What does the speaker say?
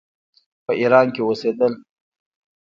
په ایران کې اوسېدل.